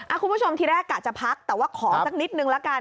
คุณผู้ชมทีแรกกะจะพักแต่ว่าขอสักนิดนึงละกัน